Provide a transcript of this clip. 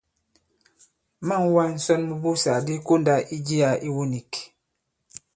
Ma᷇ŋ wā ŋsɔn mu ibussàk di kondā i jiā iwu nīk.